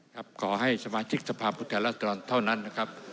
ขอให้สมาชิกสภาพผู้แทนรัฐดรเท่านั้นนะครับ